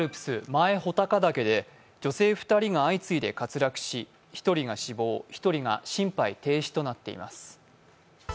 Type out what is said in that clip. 前穂高岳で女性２人が相次いで滑落し１人が死亡、１人が心肺停止となっています。